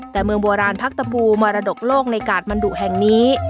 แต่เมืองโบราณพักตะบูมรดกโลกในกาดบรรดุแห่งนี้